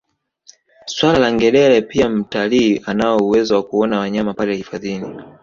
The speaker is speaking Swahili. Swala na ngedele pia mtalii anao uwezo wa kuona wanyama pale hifadhini